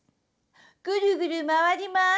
ぐるぐるまわりまーす。